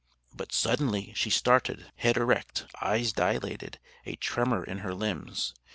But suddenly she started, head erect, eyes dilated, a tremor in her limbs.